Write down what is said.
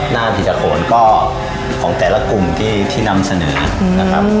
นาทีตะโขนก็ของแต่ละกลุ่มที่นำเสนอนะครับ